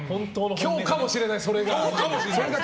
今日かもしれない、それが。